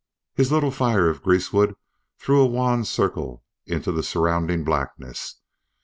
His little fire of greasewood threw a wan circle into the surrounding blackness.